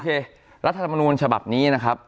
กลุ่มสำหรับทีวีเชิญนะครับ